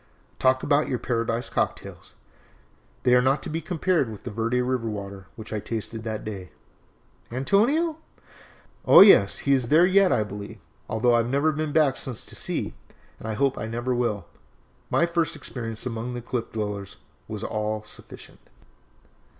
Talk about your Paradise Cocktails they are not to be compared with that Verde River water which I tasted that day!" "Antonio?" "Oh, yes, he is there yet, I believe, although I have never been back since to see, and I hope I never will. My first experience among the Cliff Dwellers was all sufficient."